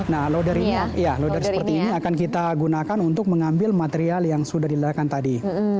nah loader ini ya akan kita gunakan untuk mengambil material yang sudah di ledakan tadi